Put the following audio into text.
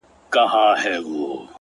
چي ته راځې تر هغو خاندمه. خدایان خندوم.